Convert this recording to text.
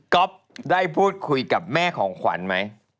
๊อฟได้พูดคุยกับแม่ของขวัญไหม